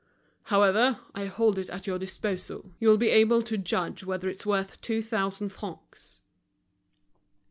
However, I hold it at your disposal. You'll be able to judge whether it's worth two thousand francs."